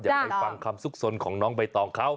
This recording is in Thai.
อยากได้ฟังคำสุขสนของน้องไปต่อเขา